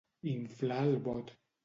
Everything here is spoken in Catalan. Inflar el bot.